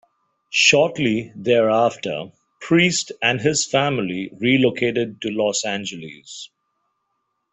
Shortly thereafter, Priest and his family relocated to Los Angeles.